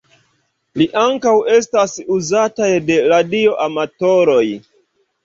Ili ankaŭ estas uzataj de radioamatoroj.